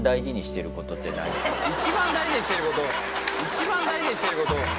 一番大事にしてること。